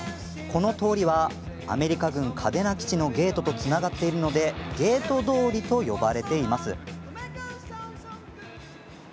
この通りはアメリカ軍嘉手納基地のゲートとつながっているのでゲート通りと呼ばれています。